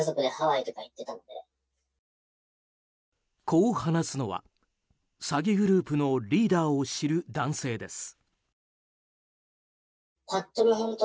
こう話すのは、詐欺グループのリーダーを知る男性です。